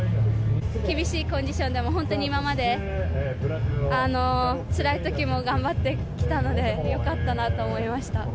厳しいコンディションでも、本当に今までつらいときも頑張ってきたので、よかったなと思いました。